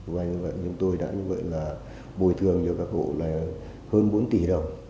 và chúng tôi đã bồi thường cho các hộ là hơn bốn tỷ đồng